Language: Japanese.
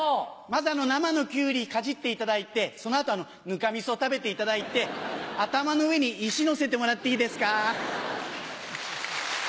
まず生のキュウリかじっていただいてその後ぬかみそを食べていただいて頭の上に石のせてもらっていいですか？